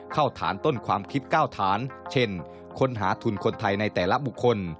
เข้าฐานต้นความคิด๙ฐานเช่นค้นหาทุนคนไทยในแต่ละบุคคล